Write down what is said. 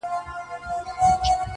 نه پوهېږم د دې کيف له برکته,